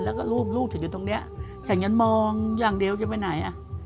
แล้วก็รูปลูกฉันอยู่ตรงนี้ฉันยังมองอย่างเดียวจะไปไหนอ่ะ